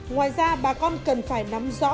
ngoài ra bà con cần phải nắm rõ